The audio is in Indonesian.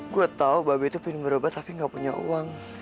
gue tahu mbak be tuh pingin berobat tapi gak punya uang